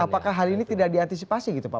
apakah hal ini tidak diantisipasi gitu pak